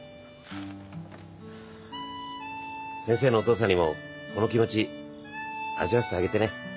先生のお父さんにもこの気持ち味わわせてあげてね。